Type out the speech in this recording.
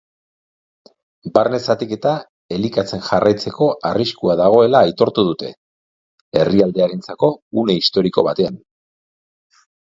Barne zatiketa elikatzen jarraitzeko arriskua dagoela aitortu dute, herriarentzako une historiko batean.